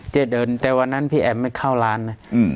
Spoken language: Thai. จะเดินแต่วันนั้นพี่แอมไม่เข้าร้านนะ